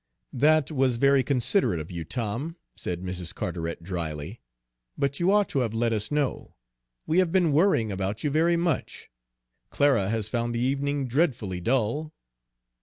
"That was very considerate of you, Tom," said Mrs. Carteret dryly, "but you ought to have let us know. We have been worrying about you very much. Clara has found the evening dreadfully dull."